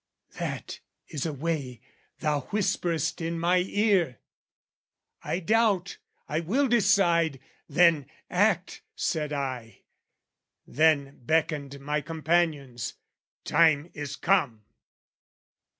"That is a way, thou whisperest in my ear! "I doubt, I will decide, then act," said I Then beckoned my companions: "Time is come!"